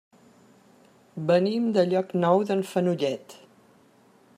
Venim de Llocnou d'en Fenollet.